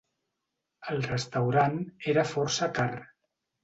El restaurant era força car.